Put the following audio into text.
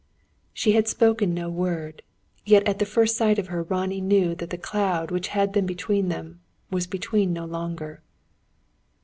She had spoken no word; yet at the first sight of her Ronnie knew that the cloud which had been between them, was between no longer.